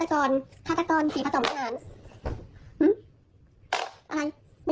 ฆาตกรฆาตกรฆาตกรศรีพสมภาษณ์